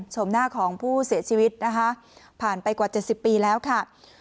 ชมหน้าของผู้เสียชีวิตนะคะผ่านไปกว่า๗๐ปีแล้วค่ะ